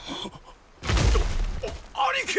あ兄貴！？